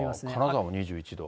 金沢も２１度。